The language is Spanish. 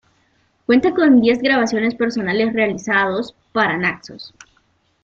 Cuenta con diez grabaciones personales realizados para Naxos.